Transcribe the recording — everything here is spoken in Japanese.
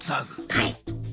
はい。